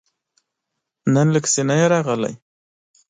نن لکه چې نه يې راغلی؟